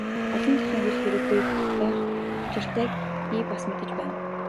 Олон дахин ирэх хэрэггүй байх учиртайг би бас мэдэж байна.